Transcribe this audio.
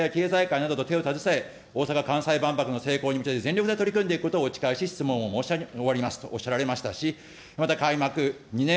日本維新の会は、地元自治体や経済界などと手を携え、大阪・関西万博の成功に向けて全力で取り組んでいくことをお誓いし質問を終わりますとおっしゃいましたし、また開幕、